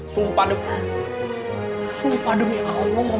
sumpah demi allah